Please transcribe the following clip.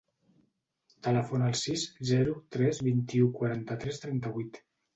Telefona al sis, zero, tres, vint-i-u, quaranta-tres, trenta-vuit.